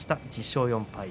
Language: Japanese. １０勝４敗